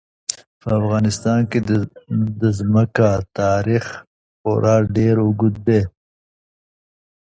په افغانستان کې د ځمکه تاریخ خورا ډېر اوږد دی.